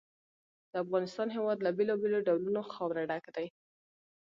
د افغانستان هېواد له بېلابېلو ډولونو خاوره ډک دی.